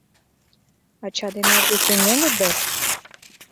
— Ача ден эрге сеҥеныт дыр?